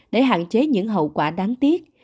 để hạn chế những hậu quả đáng tiếc